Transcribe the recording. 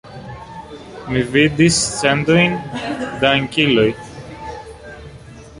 Mi vidis centojn da angiloj.